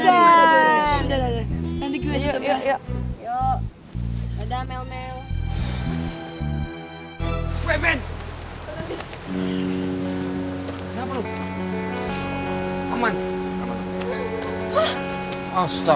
tengah tangan kamu kenapa